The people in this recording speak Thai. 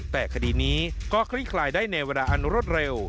แต่คดีนี้ก็คลี่คลายได้ในเวลาอันรวดเร็ว